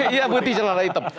iya putih celana hitam